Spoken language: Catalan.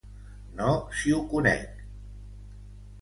No si ho conec!